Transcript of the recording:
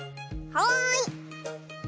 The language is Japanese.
はい！